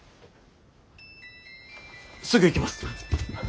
すぐ行きます！